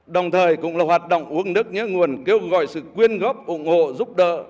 đồng thời cũng là hoạt động uống nước nhớ nguồn kêu gọi sự quyên góp ủng hộ giúp đỡ